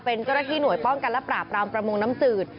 เป็นเเตอร์ทีหน่วยป้องกันระปราปรามประมงน้ำสือด